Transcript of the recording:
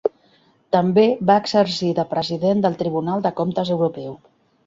També va exercir de president del Tribunal de Comptes Europeu.